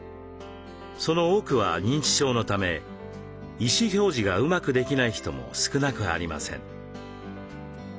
その多くは認知症のため意思表示がうまくできない人も少なくありません。